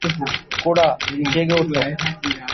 Coda, জেগে ওঠো।